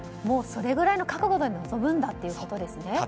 もうそれくらいの覚悟で臨むんだということですね。